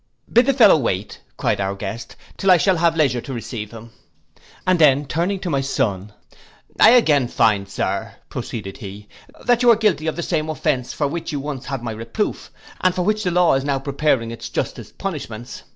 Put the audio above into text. —'Bid the fellow wait,' cried our guest, 'till I shall have leisure to receive him;' and then turning to my son, 'I again find, Sir,' proceeded he, 'that you are guilty of the same offence for which you once had my reproof, and for which the law is now preparing its justest punishments.